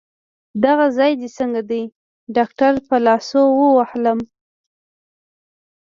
دغه ځای دي څنګه دی؟ ډاکټر په لاسو ووهلم.